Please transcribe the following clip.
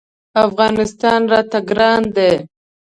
افغانستان راته ګران دی.